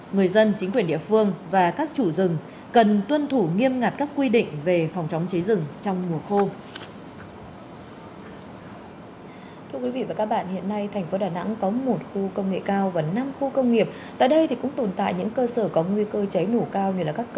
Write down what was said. người dân chính quyền địa phương và các chủ rừng cần tuân thủ nghiêm ngặt các quy định về phòng chống cháy rừng trong mùa khô